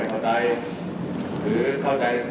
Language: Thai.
อาจจะกินไปอีกบ้านก็ได้บ้านแต่ละท่านนะครับ